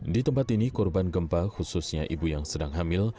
di tempat ini korban gempa khususnya ibu yang sedang hamil